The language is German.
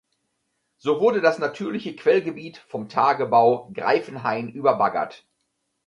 So wurde das natürliche Quellgebiet vom Tagebau Greifenhain überbaggert.